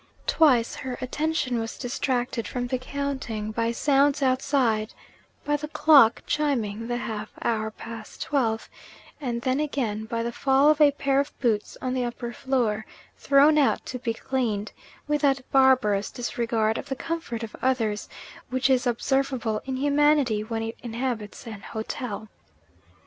Twice her attention was distracted from the counting, by sounds outside by the clock chiming the half hour past twelve; and then again, by the fall of a pair of boots on the upper floor, thrown out to be cleaned, with that barbarous disregard of the comfort of others which is observable in humanity when it inhabits an hotel.